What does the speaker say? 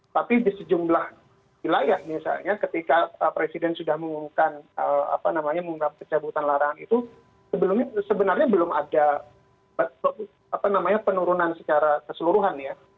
tapi di sejumlah wilayah misalnya ketika presiden sudah mengumumkan apa namanya mengungkap pencabutan larangan itu sebenarnya belum ada penurunan secara keseluruhan ya